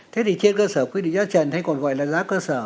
thế thì trên cơ sở quy định giá trần hay còn gọi là giá cơ sở